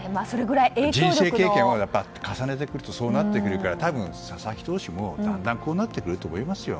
人生経験を重ねてくるとそうなってくるから佐々木投手もだんだんこうなってくると思いますよ。